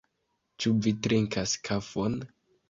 Ĉu vi trinkas kafon?